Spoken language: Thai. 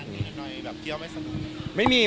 มีอันหน่อยแบบเที่ยวไม่สมบูรณ์